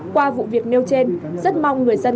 qua vụ việc nêu trên rất mong người dân